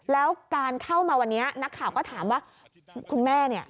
แล้วการเข้ามาวันนี้นักข่าวก็ถามว่าคุณแม่เนี่ย